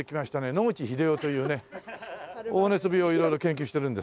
野口英世というね黄熱病を色々研究してるんですけどもね。